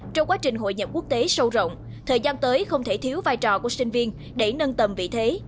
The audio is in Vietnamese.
trong quá trình hội nhập quốc tế sâu rộng thời gian tới không thể thiếu vai trò của sinh viên để nâng tầm vị thế